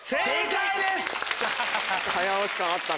早押し感あった。